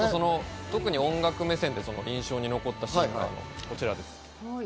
特に音楽目線で印象に残ったシーンがこちらです。